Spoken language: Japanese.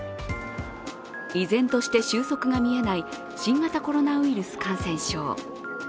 依然として収束が見えない新型コロナウイルス感染症。